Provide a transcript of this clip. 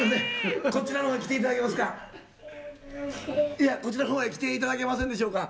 「いや。こちらの方へ来ていただけませんでしょうか？」